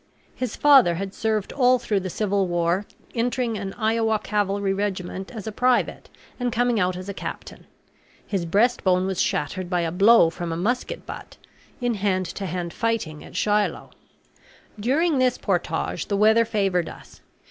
His father had served all through the Civil War, entering an Iowa cavalry regiment as a private and coming out as a captain; his breast bone was shattered by a blow from a musket butt, in hand to hand fighting at Shiloh. During this portage the weather favored us.